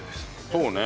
そうね。